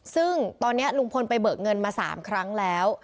ซึ่งตอนนี้ลุงพลไปเบิกเงินมา๓ครั้งแล้ว